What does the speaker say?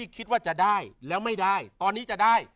คิดว่าจะได้แล้วไม่ได้ตอนนี้จะได้